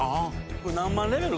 これ何万レベル？